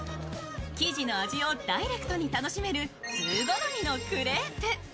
生地の味をダイレクトに楽しめる通好みのクレープ。